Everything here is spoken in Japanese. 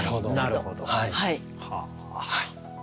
なるほど。